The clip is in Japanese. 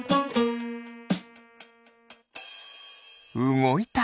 うごいた。